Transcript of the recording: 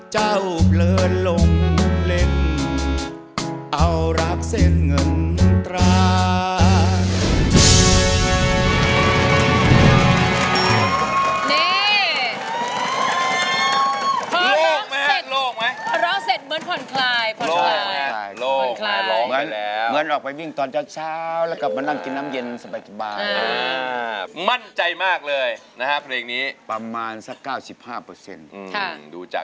ข้าวเบลอลงเล่นเอารักเส้นเงินตรา